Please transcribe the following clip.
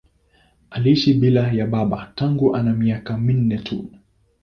Aliishi bila ya baba tangu ana miaka minne tu.